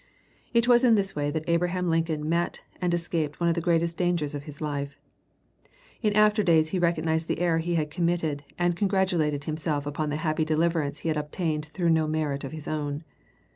It was in this way that Abraham Lincoln met and escaped one of the greatest dangers of his life. In after days he recognized the error he had committed, and congratulated himself upon the happy deliverance he had obtained through no merit of his own.